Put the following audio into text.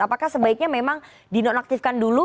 apakah sebaiknya memang dinonaktifkan dulu